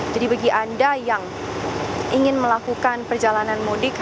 jadi bagi anda yang ingin melakukan perjalanan mudik